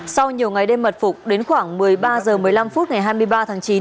sau nhiều ngày đêm mật phục đến khoảng một mươi ba h một mươi năm phút ngày hai mươi ba tháng chín